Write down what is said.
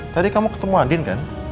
tadi kamu ketemu adin kan